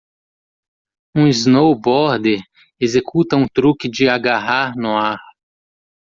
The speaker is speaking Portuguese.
Um snowboarder executa um truque de agarrar no ar.